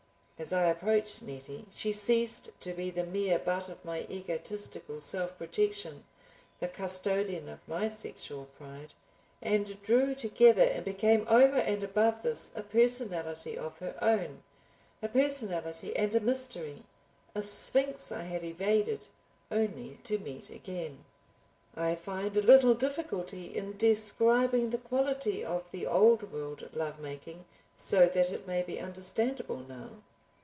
As I approached Nettie she ceased to be the mere butt of my egotistical self projection, the custodian of my sexual pride, and drew together and became over and above this a personality of her own, a personality and a mystery, a sphinx I had evaded only to meet again. I find a little difficulty in describing the quality of the old world love making so that it may be understandable now.